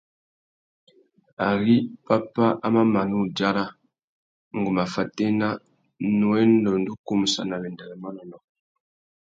Ari pápá a mà mana udzara, ngu má fatēna, nnú wenda undú kumsana wenda nà manônōh.